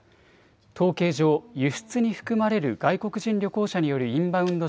統計上、輸出に含まれる外国人旅行者によるインバウンド